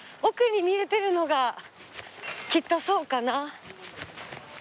奥に見えてるのがきっとそうかな。